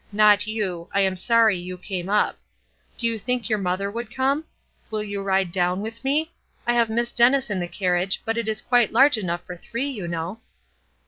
Not you; I am sorry you came up. Do you think your mother would come? Will you ride down with me? I have Miss Dennis in the carriage, but it is quite large enough for three, you know."